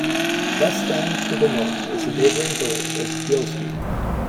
Less than to the north is the neighbouring village of Beelsby.